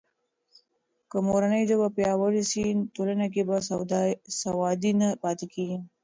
که مورنۍ ژبه پیاوړې سي، ټولنه کې بې سوادي نه پاتې کېږي.